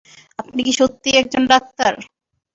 আপনি কি সত্যিই একজন ডাক্তার?